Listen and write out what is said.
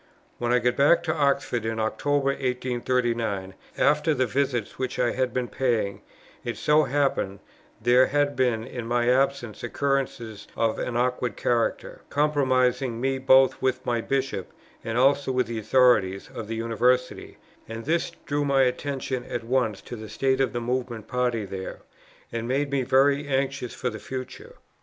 When I got back to Oxford in October, 1839, after the visits which I had been paying, it so happened, there had been, in my absence, occurrences of an awkward character, compromising me both with my Bishop and also with the authorities of the University; and this drew my attention at once to the state of the Movement party there, and made me very anxious for the future.